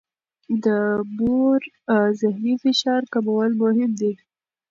د مور ذهني فشار کمول مهم دي.